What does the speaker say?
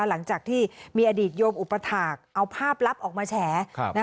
หลังจากที่มีอดีตโยมอุปถาคเอาภาพลับออกมาแฉ